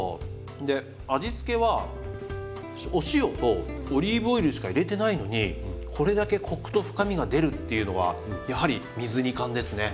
で味付けはお塩とオリーブオイルしか入れてないのにこれだけコクと深みが出るっていうのはやはり水煮缶ですね。